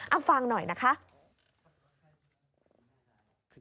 เอาฟังหน่อยนะคะ